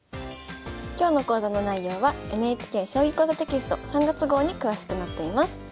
今日の講座の内容はＮＨＫ「将棋講座」テキスト３月号に詳しく載っています。